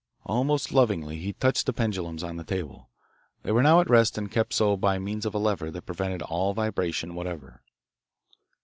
Almost lovingly he touched the pendulums on the table. They were now at rest and kept so by means of a lever that prevented all vibration whatever.